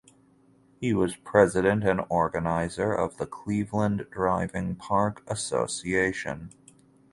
He was president and organizer of the Cleveland Driving Park Association.